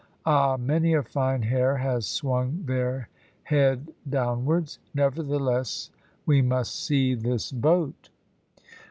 Ah! many a fine hare has swung there head downwards. Nevertheless, we must see this boat."